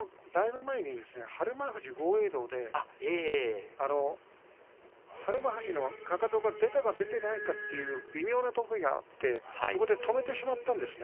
以前、日馬富士、豪栄道で日馬富士のかかとが出たか出ていないかという微妙なことがあってそこで相撲を止めてしまったんですよね。